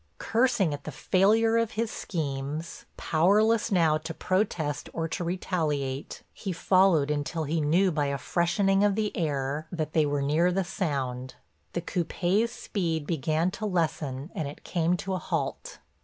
Cursing at the failure of his schemes, powerless now to protest or to retaliate, he followed until he knew by a freshening of the air that they were near the Sound. The coupé's speed began to lessen and it came to a halt.